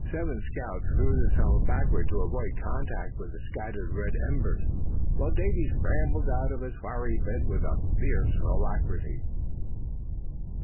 The seven scouts threw themselves backward to avoid contact with the scattered red embers, while Davy scrambled out of his fiery bed with furious alacrity.